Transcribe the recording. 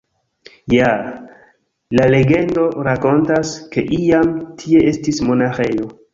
Ja, la legendo rakontas, ke iam tie estis monaĥejo.